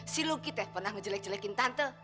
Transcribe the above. si lucky teh pernah ngejelek jelekin tante